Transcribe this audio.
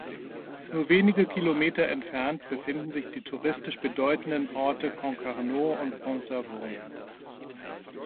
Nur wenige Kilometer entfernt befinden sich die touristisch bedeutenden Orte Concarneau und Pont-Aven.